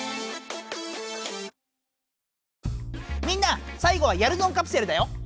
みんなさいごはやるぞんカプセルだよ！